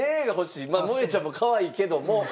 まあ萌ちゃんもかわいいけども。